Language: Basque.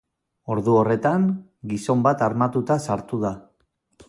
Ordu horretan, gizon bat armatuta sartu da.